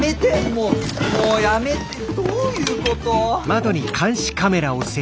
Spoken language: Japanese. もうやめてどういうこと？